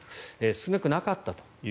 少なくなかったと。